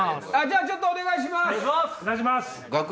ちょっとお願いします。